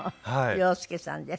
洋輔さんです。